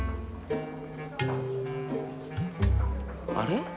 あれ？